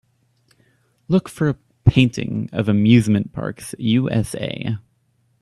Look for a painting of Amusement Parks U.S.A.